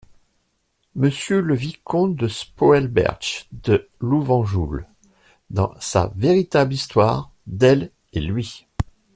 Monsieur le vicomte de Spoelberch de Lovenjoul, dans sa VÉRITABLE HISTOIRE D'ELLE ET LUI (C.